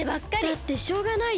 だってしょうがないよ。